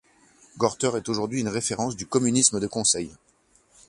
Gorter est aujourd'hui une référence du communisme de conseils.